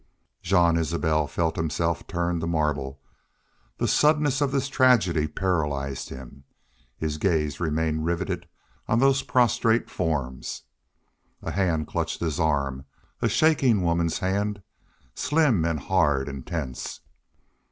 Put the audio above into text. Jean Isbel felt himself turned to marble. The suddenness of this tragedy paralyzed him. His gaze remained riveted on those prostrate forms. A hand clutched his arm a shaking woman's hand, slim and hard and tense.